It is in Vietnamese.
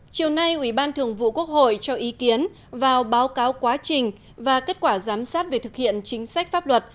chiều nay ủy ban thường vụ quốc hội cho ý kiến vào báo cáo quá trình và kết quả giám sát về thực hiện chính sách pháp luật